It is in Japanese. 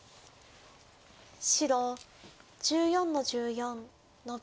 白１４の十四ノビ。